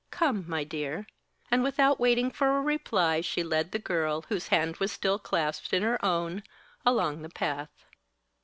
Come, my dear," and without waiting for a reply she led the girl, whose hand was still clasped in her own, along the path.